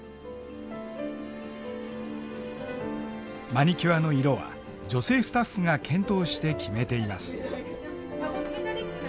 マニキュアの色は女性スタッフが検討して決めています。